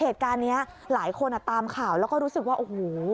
เหตุการณ์นี้หลายคนตามข่าวแล้วก็รู้สึกว่าโอ้โห